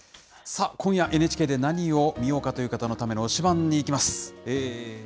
さあ、今夜、ＮＨＫで何を見ようかという方のための推しバンにいきます。